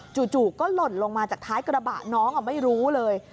จู่ก็หล่นลงมาจากท้ายกระบะน้องไม่รู้เลย